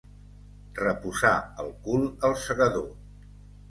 Reposà el cul el segador.